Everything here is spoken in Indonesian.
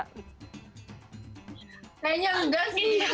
kayaknya enggak sih